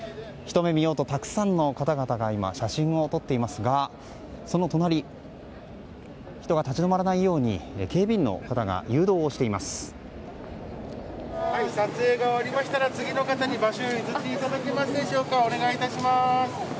ひと目見ようとたくさんの方々が今、写真を撮っていますがその隣、人が立ち止まらないように警備員の方が誘導をしています。